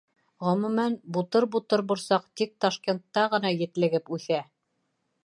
Ғөмүмән, бутыр-бутыр борсаҡ тик Ташкентта ғына етлегеп үҫә.